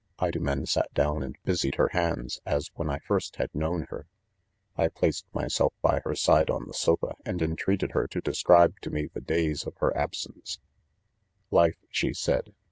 Women sat clown and busied her hands as when I first had known, her, I plaeedr m yself Ijy her side on The~sola, and^nlreated^hef^o ■describe to mo the'days of Ilex absence* " Life , 33 she said.